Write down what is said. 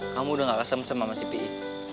kamu udah gak kesem sem sama si pi